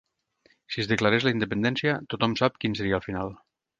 Si es declarés la independència, tothom sap quin seria el final.